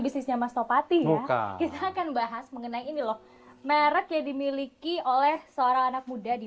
bisnisnya mas topati ya kita akan bahas mengenai ini loh merek yang dimiliki oleh seorang anak muda di